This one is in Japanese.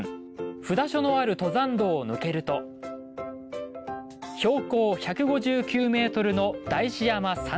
札所のある登山道を抜けると標高１５９ｍの大師山山頂。